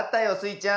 ちゃん。